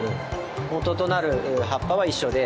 元となる葉っぱは一緒で。